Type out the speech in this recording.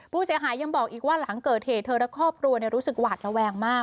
ผู้เสียหายยังบอกอีกว่าหลังเกิดเหตุเธอและครอบครัวรู้สึกหวาดระแวงมาก